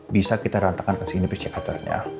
bisa kita ratakan ke sini percepatannya